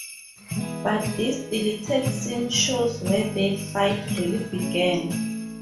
But this deleted scene shows where the fight really began.